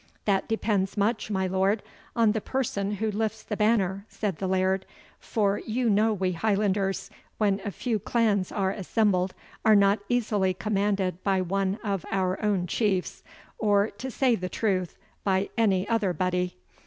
"That depends much, my lord, on the person who lifts the banner," said the Laird; "for you know we Highlanders, when a few clans are assembled, are not easily commanded by one of our own Chiefs, or, to say the truth, by any other body.